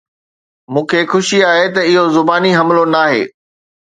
مون کي خوشي آهي ته اهو زباني حملو ناهي